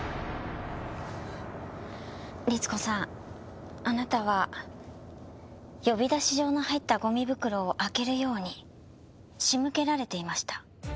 律子さんあなたは呼び出し状の入ったゴミ袋を開けるように仕向けられていました。